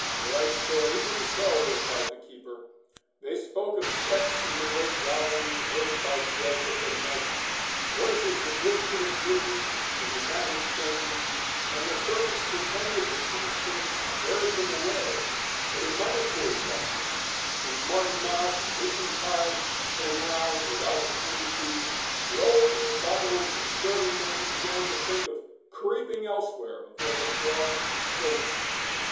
"Right, sir, even so," replied the keeper. "They spoke of steps in the great gallery, heard by dead of the night, and voices that whispered at noon, in the matted chambers; and the servants pretended that these things scared them away; but, in my poor judgment, when Martinmas and Whitsuntide came round without a penny fee, the old blue bottles of serving men began to think of creeping elsewhere before the frost chilled them.